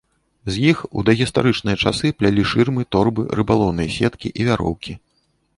З іх у дагістарычныя часы плялі шырмы, торбы, рыбалоўныя сеткі і вяроўкі.